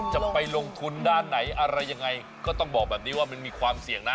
จะไปลงทุนด้านไหนอะไรยังไงก็ต้องบอกแบบนี้ว่ามันมีความเสี่ยงนะ